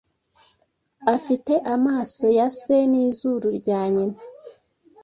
Afite amaso ya se n'izuru rya nyina.